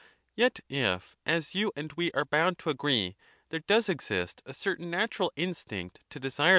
Yet if, as you and we are bound to agree, bt there does exist a certain natural instinct to desire